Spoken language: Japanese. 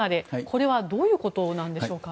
これはどういうことなんでしょうか。